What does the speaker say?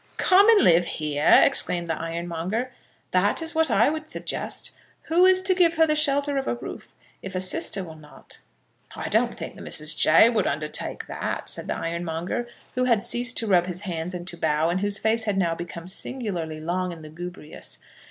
"Come and live here!" exclaimed the ironmonger. "That is what I would suggest. Who is to give her the shelter of a roof, if a sister will not?" "I don't think that Mrs. Jay would undertake that," said the ironmonger, who had ceased to rub his hands and to bow, and whose face had now become singularly long and lugubrious.